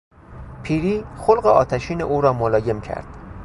پیری خلق آتشین او را ملایم کرد.